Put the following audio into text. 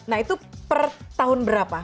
nah itu per tahun berapa